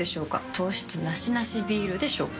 糖質ナシナシビールでしょうか？